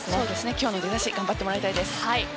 今日の出だし頑張ってもらいたいです。